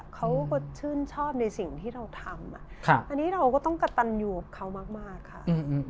เขาก็ชื่นชอบในสิ่งที่เราทำอันนี้เราก็ต้องกระตันอยู่กับเขามากค่ะ